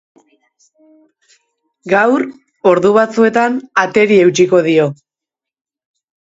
Gaur, ordu batzuetan, ateri eutsiko dio.